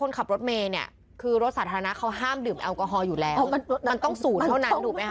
มันต้องสูงเท่านั้นถูกไหมฮะ